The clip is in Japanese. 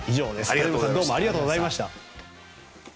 金村さんありがとうございました。